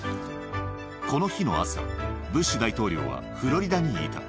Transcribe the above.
この日の朝、ブッシュ大統領はフロリダにいた。